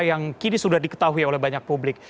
yang kini sudah diketahui oleh banyak publik